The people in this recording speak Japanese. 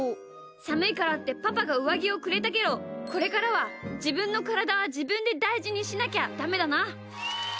さむいからってパパがうわぎをくれたけどこれからはじぶんのからだはじぶんでだいじにしなきゃダメだな。